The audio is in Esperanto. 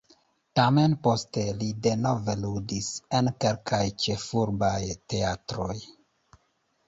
Tamen poste li denove ludis en kelkaj ĉefurbaj teatroj.